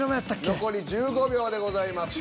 残り１５秒でございます。